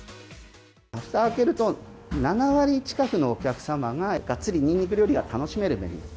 ふた開けると、７割近くのお客様が、がっつりニンニク料理を楽しめるメニュー。